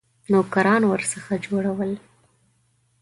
نوکران ورڅخه جوړول.